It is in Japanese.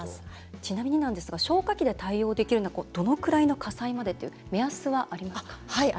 ちなみにですが消火器で対応できるのはどのぐらいの火災までという目安はありますか。